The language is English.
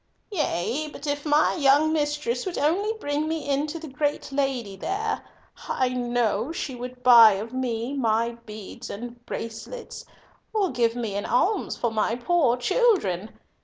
"Yea, but if my young mistress would only bring me in to the Great Lady there, I know she would buy of me my beads and bracelets, of give me an alms for my poor children.